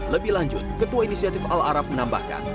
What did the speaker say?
lebih lanjut ketua inisiatif al arab menambahkan